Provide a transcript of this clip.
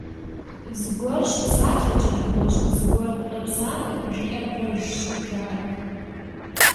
Зыгуэр щыпсалъэкӏэ нэгъуэщӀ зыгуэр къепсамэ, жиӀэр пэжщ, жаӀэрт.